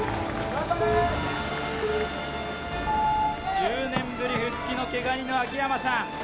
１０年ぶり復帰の毛ガニの秋山さん。